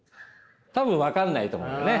多分分かんないと思うんだよね。